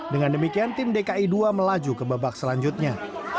dengan demikian tim dki dua melaju ke babak selanjutnya